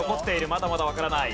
まだまだわからない。